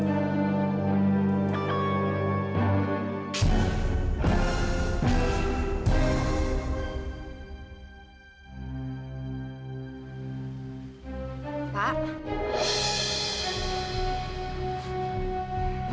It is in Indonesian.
aku mau cari tahu siapa